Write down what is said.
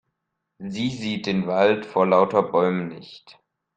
Sie sieht den Wald vor lauter Bäumen nicht.